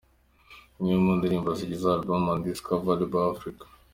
Imwe mu ndirimbo zigize Album ‘Undiscovered Africa’.